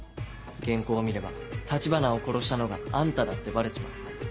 原稿を見れば橘を殺したのがあんただってバレちまう。